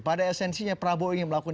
pada esensinya prabowo ingin melakukan